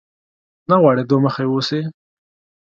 نه غواړې دوه مخی واوسې؟